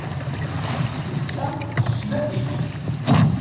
Netta yessmad-iyi.